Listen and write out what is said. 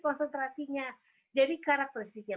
konsentrasinya jadi karakteristiknya